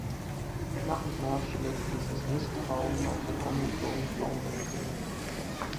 Nach und nach schlägt dieses Misstrauen auch den ahnungslosen Frauen entgegen.